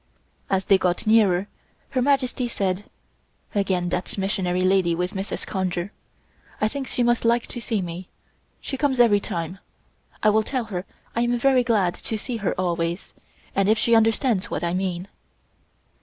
As they got nearer, Her Majesty said: "Again that missionary lady with Mrs. Conger. I think she must like to see me. She comes every time. I will tell her I am very glad to see her always, and see if she understands what I mean."